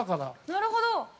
◆なるほど。